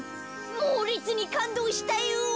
もうれつにかんどうしたよ。